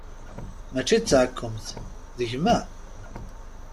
Mačči d taɛkemt, d gma!